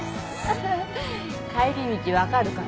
帰り道分かるかな。